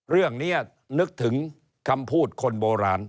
เรื่องนี้นึกถึงคำพูดคนโบราณ